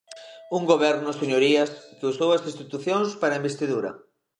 Un Goberno, señorías, que usou as institucións para a investidura.